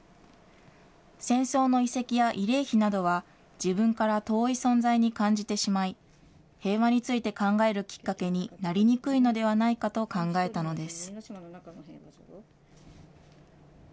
戦争の遺跡や慰霊碑などは、自分から遠い存在に感じてしまい、平和について考えるきっかけになりにくいのではないかと考えたのです。